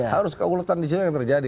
harus keulutan di sini yang terjadi